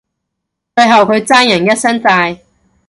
最後佢爭人一身債